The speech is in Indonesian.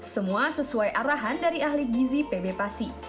semua sesuai arahan dari ahli gizi pb pasi